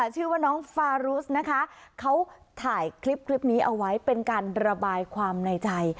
ชื่อว่าน้องฟารุสนะคะเขาถ่ายคลิปนี้เอาไว้เป็นการระบายความในใจ